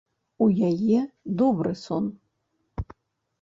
У яе добры сон.